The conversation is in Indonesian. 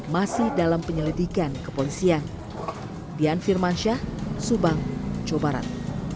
masih dalam penyelidikan kepolisian dian firmansyah subang jawa barat